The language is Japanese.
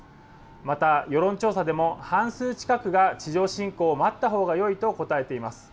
また、世論調査でも半数近くが地上侵攻を待ったほうがよいと答えています。